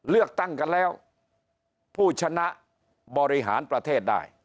เลือกตั้งกันแล้วผู้ชนะบริหารประเทศได้